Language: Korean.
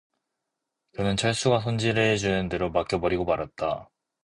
그는 철수가 손질해 주는 대로 맡겨 버리고 말았다.